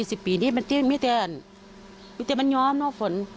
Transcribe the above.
สิบปีนี้มันไม่ได้มันย้อมเนอะฝน